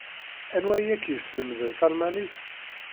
Anwa ay ak-yeslemden talmanit?